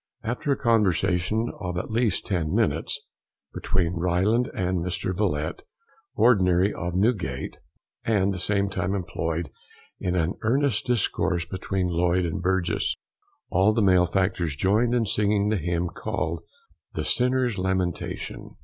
Alter a conversation of at least ten minutes between Ryland and Mr. Villette, Ordinary of Newgate, and the same time employed in an earnest discourse between Lloyd and Burgess, all the Malefactors joined in singing the hymn, called "The Sinner's Lamentation."